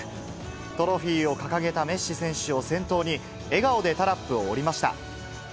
トロフィーを掲げたメッシ選手を先頭に、笑顔でタラップを降りました。